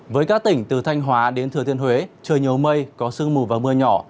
với các tỉnh từ thanh hóa đến thừa thiên huế trời nhiều mây có sương mù và mưa nhỏ